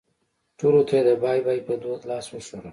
ټولو ته یې د بای بای په دود لاس وښوراوه.